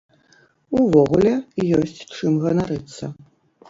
Увогуле, ёсць чым ганарыцца!